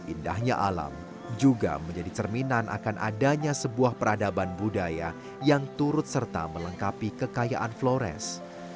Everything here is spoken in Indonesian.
indahnya alam juga menjadi cerminan akan adanya sebuah peradaban budaya yang turut serta melengkapi kekayaan flores